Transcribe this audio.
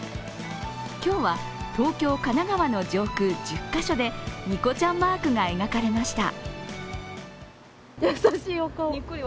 今日は東京、神奈川の上空１０カ所でニコちゃんマークが描かれました。